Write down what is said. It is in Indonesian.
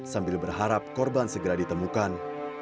sambil berharap korban segera ditemukan